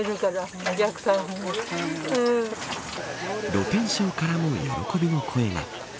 露天商からも喜びの声が。